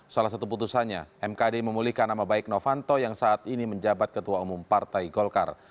salah satu putusannya mkd memulihkan nama baik novanto yang saat ini menjabat ketua umum partai golkar